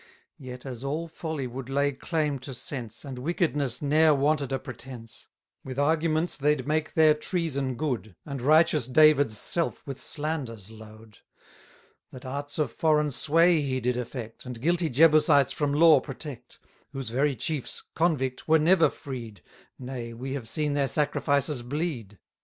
Yet, as all folly would lay claim to sense, And wickedness ne'er wanted a pretence, With arguments they'd make their treason good, And righteous David's self with slanders load: That arts of foreign sway he did affect, And guilty Jebusites from law protect, Whose very chiefs, convict, were never freed, Nay, we have seen their sacrificers bleed!